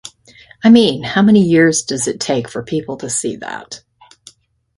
I mean how many years does it take for people to see that?